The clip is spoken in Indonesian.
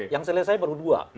yang selesai baru dua